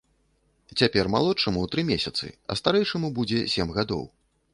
Цяпер малодшаму тры месяцы, а старэйшаму будзе сем гадоў.